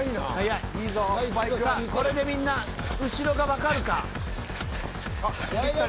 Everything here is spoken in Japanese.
これでみんな後ろが分かるか。